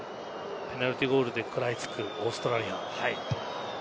ペナルティーゴールで食らいつくオーストラリア。